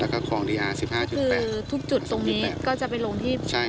แล้วก็คลองดีอาร์สิบห้าจุดแต่คือทุกจุดตรงนี้ก็จะไปลงที่ใช่